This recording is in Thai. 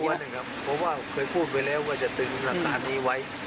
เพราะว่าเคยพูดไปแล้วว่าจะตึงหลักฐานนี้ไว้